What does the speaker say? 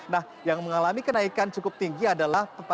nah yang mengalami kenaikan cukup tinggi adalah